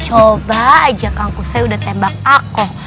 coba aja kangkusoy udah tembak aku